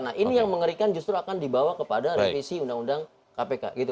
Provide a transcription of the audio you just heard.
nah ini yang mengerikan justru akan dibawa kepada revisi undang undang kpk gitu